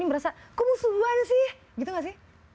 merasa kok musuhan sih gitu gak sih